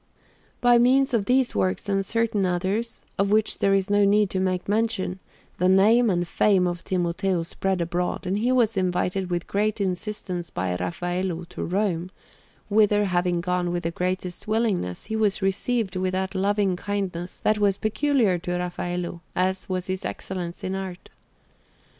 By means of these works and certain others, of which there is no need to make mention, the name and fame of Timoteo spread abroad, and he was invited with great insistence by Raffaello to Rome; whither having gone with the greatest willingness, he was received with that loving kindness that was as peculiar to Raffaello as was his excellence in art.